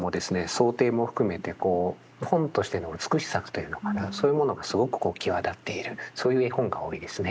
装丁も含めて本としての美しさというのかなそういうものがすごく際立っているそういう絵本が多いですね。